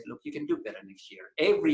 lihat kamu bisa menjadi lebih baik tahun depan